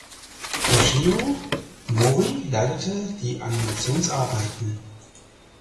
Toshio Mori leitete die Animationsarbeiten.